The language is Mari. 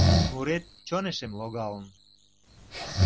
Мурет чонешем логалын...